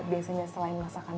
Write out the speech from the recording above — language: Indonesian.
biasanya selain masakan di movie